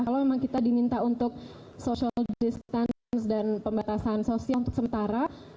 kalau memang kita diminta untuk social distance dan pembatasan sosial untuk sementara